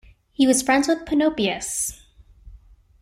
He was friends with Panopeus.